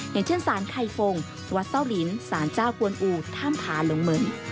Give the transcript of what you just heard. อย่างเช่นสารไข่ฟงวัดเศร้าลินสารเจ้ากวนอูถ้ำผาหลงเหมือน